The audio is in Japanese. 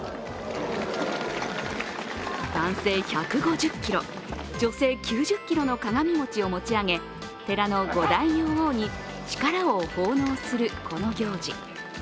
男性１５０ｋｇ、女性９０ｋｇの鏡餅を持ち上げ寺の五大明王に力を奉納するこの行事。